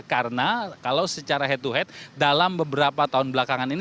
karena kalau secara head to head dalam beberapa tahun belakangan ini